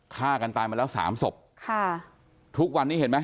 ฆ่ากันตายมาแล้วสามศพค่ะทุกวันนี้เห็นไหม